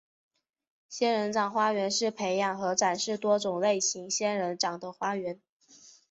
仙人掌花园是培养和展示多种类型仙人掌的花园。